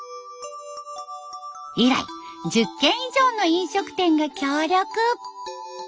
以来１０軒以上の飲食店が協力。